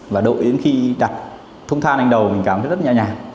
và đội đến khi đặt thúng than lên đầu mình cảm thấy rất nhẹ nhàng